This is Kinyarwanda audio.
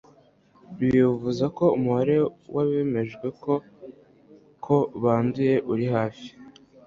Ibi bivuze ko umubare w'abemejwe ko ko banduye uri hafi